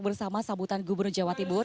bersama sambutan gubernur jawa timur